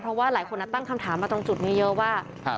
เพราะว่าหลายคนตั้งคำถามมาตรงจุดนี้เยอะว่า